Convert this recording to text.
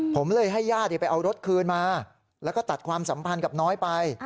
ผมเลยให้ญาติไปเอารถคืนมาแล้วก็ตัดความสัมพันธ์กับน้อยไป